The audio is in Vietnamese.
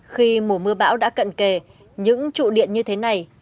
khi mùa mưa bão đã cận kề những trụ điện như thế này